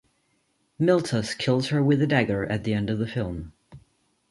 Miltos kills her with a dagger at end of the film.